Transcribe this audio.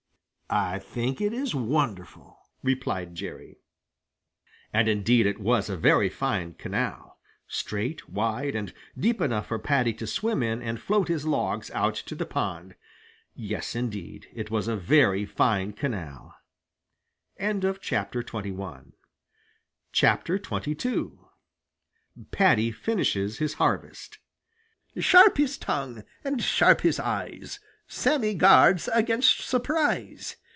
"I think it is wonderful," replied Jerry. And indeed it was a very fine canal, straight, wide, and deep enough for Paddy to swim in and float his logs out to the pond. Yes, indeed, it was a very fine canal. XXII PADDY FINISHES HIS HARVEST "Sharp his tongue and sharp his eyes Sammy guards against surprise.